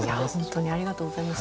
ありがとうございます。